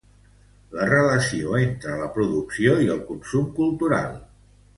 La relació entre la producció i el consum cultural.